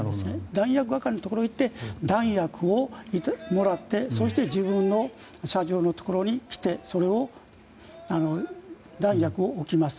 弾薬係のところに行って弾薬をもらってそして自分の射場のところに来て弾薬を置きます。